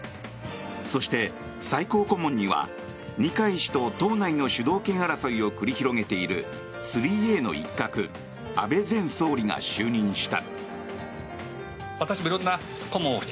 そして、最高顧問には二階氏と党内の主導権争いを繰り広げている３Ａの一角安倍前総理が就任した。